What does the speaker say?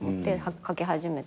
書き始めて。